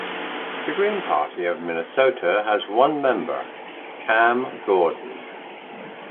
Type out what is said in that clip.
The Green Party of Minnesota has one member, Cam Gordon.